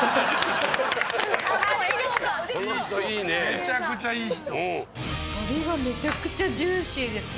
めちゃくちゃいい人。